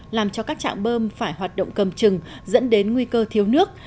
làm cho các trạm bơm phải hoạt động cầm trừng dẫn đến nguy cơ thiếu nước